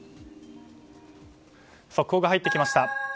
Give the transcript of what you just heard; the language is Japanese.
速報が入ってきました。